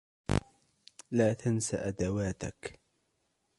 لا تنسى أدواتك.